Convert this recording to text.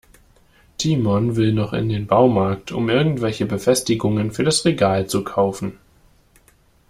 Timon will noch in den Baumarkt, um irgendwelche Befestigungen für das Regal zu kaufen.